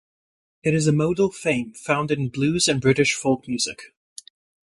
It is a modal frame found in Blues and British folk music.